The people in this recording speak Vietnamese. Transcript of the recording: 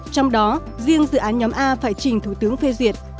trong đó riêng dự án nhóm a phải trình thủ tướng phê duyệt